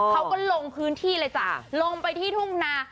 เขาก็ลงพื้นที่เลยจ้ะลงไปที่ทุ่งนา